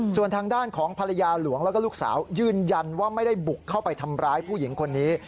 ส่วนทางด้านของภรรยาหลวงแล้วก็ลูกสาวยืนยันว่าไม่ได้บุกเข้าไปทำร้ายผู้หญิงคนนี้